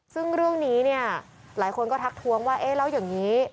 ซึ่งเรื่องนี้เนี่ยหลายคนก็ทักทวงว่าเอ๊ะแล้วอย่างนี้